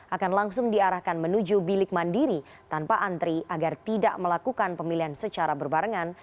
akan langsung diarahkan menuju bilik mandiri tanpa antri agar tidak melakukan pemilihan secara berbarengan